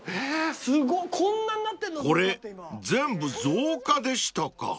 ［これ全部造花でしたか］